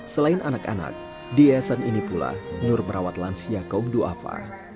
selain anak anak di yayasan ini pula nur merawat lansia kaum du'afa